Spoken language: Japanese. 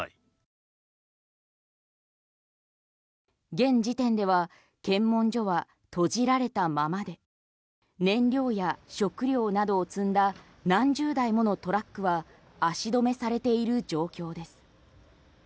現時点では検問所は閉じられたままで燃料や食料などを積んだ何十台ものトラックは足止めされている状況です。